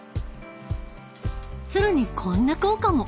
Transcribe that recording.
更にこんな効果も！